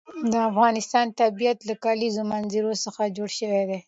د افغانستان طبیعت له د کلیزو منظره څخه جوړ شوی دی.